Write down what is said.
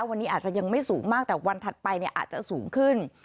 วันนี้อาจจะยังไม่สูงมากแต่วันถัดไปอาจจะสูงขึ้น